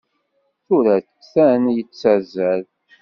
Tura atan yettazzal.